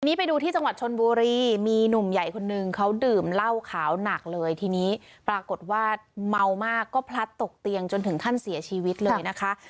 ไปดูที่จังหวัดชนบุรีมีหนุ่มใหญ่คนนึงเขาดื่มเหล้าขาวหนักเลยทีนี้ปรากฏว่าเมามากก็พลัดตกเตียงจนถึงขั้นเสียชีวิตเลยนะคะ